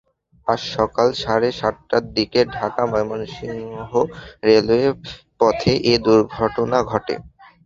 আজ সকাল সাড়ে সাতটার দিকে ঢাকা ময়মনসিংহ রেলপথে এ দুর্ঘটনা ঘটে।